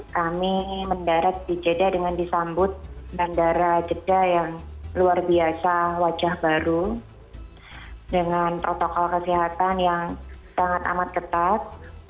kami mendarat di jeddah dengan disambut bandara jeddah yang luar biasa wajah baru dengan protokol kesehatan yang sangat amat ketat